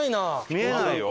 見えないよ。